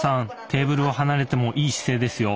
テーブルを離れてもいい姿勢ですよ。